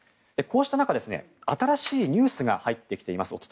こうした中、新しいニュースが入ってきています。